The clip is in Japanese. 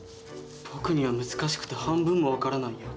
僕には難しくて半分も分からないよ。